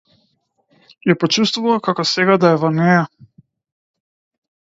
Ја почувствува како сега да е во неа.